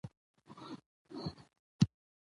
تر ځان د څادرنو تاوول